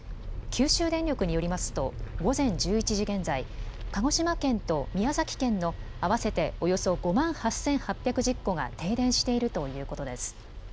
九州電力によりますと、午前１１時現在、鹿児島県と宮崎県の合わせておよそ５万８８１０戸が、停電しているということです。